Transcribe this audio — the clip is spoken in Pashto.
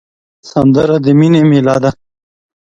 سندره د مینې میله ده